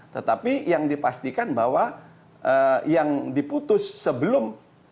tetapi yang dipastikan bahwa yang diputus sebelum dua ribu sembilan belas